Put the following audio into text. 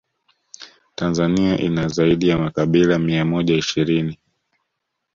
Tanzania ina zaidi ya makabila mia moja ishirini